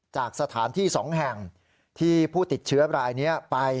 จากสถานที่๒แห่งที่ผู้ติดเชื้อรายนี้ไป